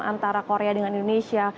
antara korea dengan indonesia